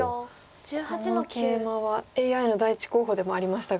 このケイマはＡＩの第１候補でもありましたが。